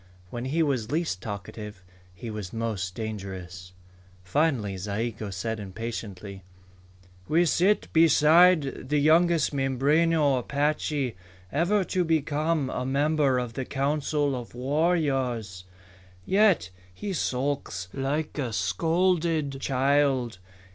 When he was least talkative, he was most dangerous. Finally Zayigo said impatiently: "We sit beside the youngest Mimbreno Apache ever to become a member of the Council of Warriors. Yet he sulks like a scolded child.